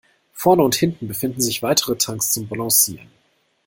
Vorne und hinten befinden sich weitere Tanks zum Balancieren.